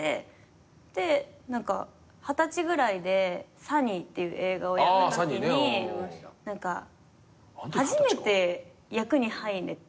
で何か二十歳ぐらいで『ＳＵＮＮＹ』っていう映画をやったときに初めて役に入れて。